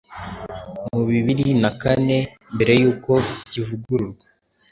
muri bbiri na kane mbere yuko kivugururwa